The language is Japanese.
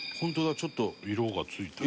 ちょっと色が付いてる。